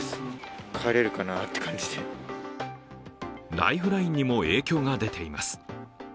ライフラインにも影響が出ています。